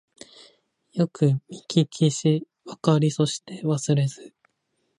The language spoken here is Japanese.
よくみききしわかりそしてわすれず